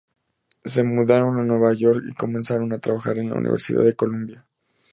Se mudaron a Nueva York y comenzaron a trabajar en la Universidad de Columbia.